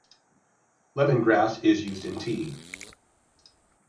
Lemon grass is used in tea.